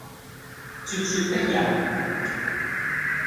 咄咄逼人